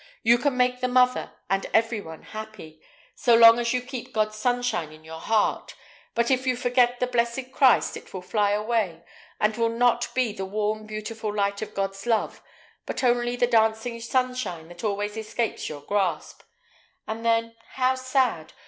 You can make the mother and every one very happy, so long as you keep God's sunshine in your heart; but if you forget the blessed Christ, it will fly away, and will not be the warm, beautiful light of God's love, but only the dancing sunshine that always escapes your grasp. And then, how sad!